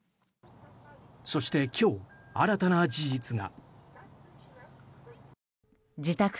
そして、今日新たな事実が。